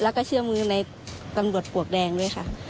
แล้วก็เชื่อมือในตำรวจปลวกแดงด้วยค่ะ